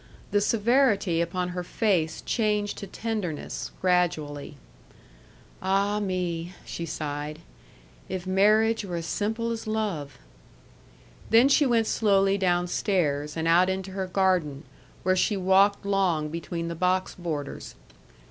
The severity upon her face changed to tenderness, gradually. "Ah, me," she sighed. "If marriage were as simple as love!" Then she went slowly downstairs, and out into her garden, where she walked long between the box borders.